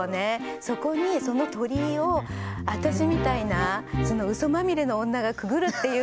そこにその鳥居を私みたいなウソまみれの女がくぐるっていうのが。